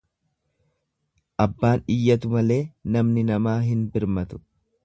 Abbaan iyyatu malee namni namaa hin birmatu.